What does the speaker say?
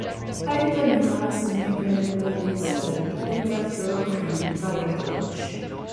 Doebbler has published numerous articles in academic journals and newspapers.